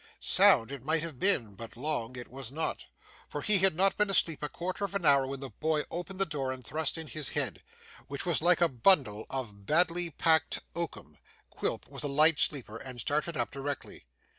Sound it might have been, but long it was not, for he had not been asleep a quarter of an hour when the boy opened the door and thrust in his head, which was like a bundle of badly picked oakum. Quilp was a light sleeper and started up directly.